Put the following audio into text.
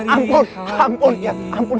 ampun ampun ampun